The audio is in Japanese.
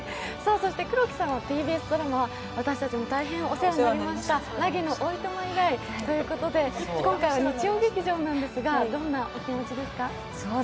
そして黒木さんはＴＢＳドラマは私たちも大変お世話になりました「凪のお暇」以来ということで、今回は日曜劇場なんですが、どんなお気持ちですか？